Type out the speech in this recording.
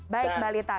baik mbak lita